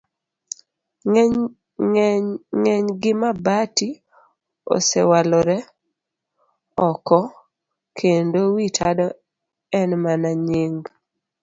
Ng'eny gi mabati osewalore oko kendo wi tado en mana nying.